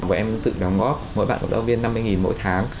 mỗi em tự đáng góp mỗi bạn có đồng viên năm mươi mỗi tháng